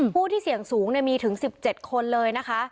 ผู้ที่เสี่ยงสูงมีถึง๑๗คนเลยนะคะ